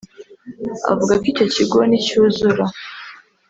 Avuga ko icyo kigo nicyuzura